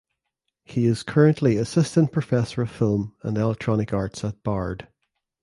He is currently Assistant Professor of Film and Electronic Arts at Bard.